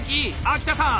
秋田さん！